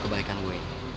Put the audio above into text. kebaikan gua ini